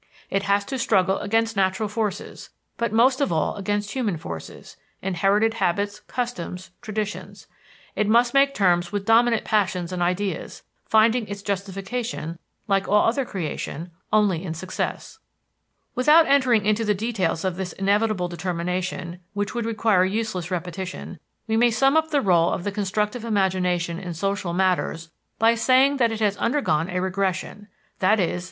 It has to struggle against natural forces, but most of all against human forces inherited habits, customs, traditions. It must make terms with dominant passions and ideas, finding its justification, like all other creation, only in success. Without entering into the details of this inevitable determination, which would require useless repetition, we may sum up the rôle of the constructive imagination in social matters by saying that it has undergone a regression i.e.